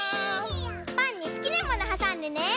パンにすきなものはさんでね！